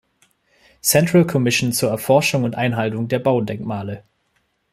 Central-Commission zur Erforschung und Erhaltung der Baudenkmale".